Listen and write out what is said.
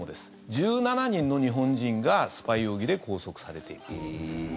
１７人の日本人がスパイ容疑で拘束されています。